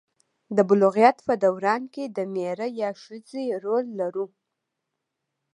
د بلوغیت په دوران کې د میړه یا ښځې رول لرو.